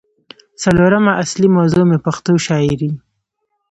څلورمه اصلي موضوع مې پښتو شاعرۍ